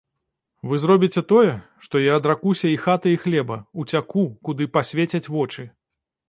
Вы зробіце тое, што я адракуся і хаты і хлеба, уцяку, куды пасвецяць вочы.